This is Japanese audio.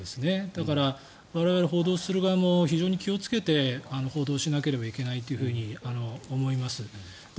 だから、我々報道する側も非常に気をつけて報道しなければいけないと思います。